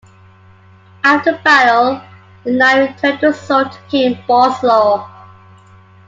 After the battle, the knight returned the sword to King Boleslaw.